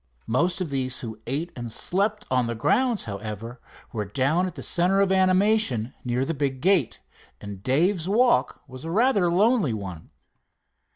Most of those who ate and slept on the grounds, however, were down at the center of animation near the big gate, and Dave's walk was a rather lonely one.